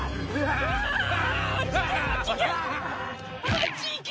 あっち行け！